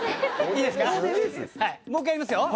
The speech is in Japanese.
もう一回やりますよ。